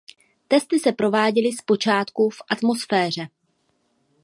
Testy se prováděli zpočátku v atmosféře.